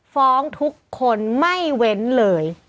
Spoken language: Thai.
ฟ้องทุกคนไม่เว้นเลย